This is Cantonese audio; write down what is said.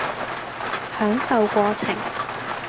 享受過程